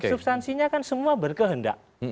substansinya kan semua berkehendak